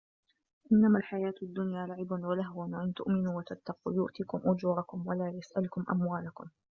إنما الحياة الدنيا لعب ولهو وإن تؤمنوا وتتقوا يؤتكم أجوركم ولا يسألكم أموالكم